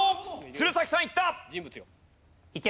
鶴崎さんいった！